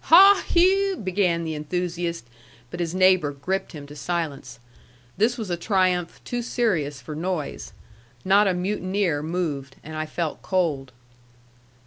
"Haw, hew!" began the enthusiast, but his neighbor gripped him to silence. This was a triumph too serious for noise. Not a mutineer moved; and I felt cold.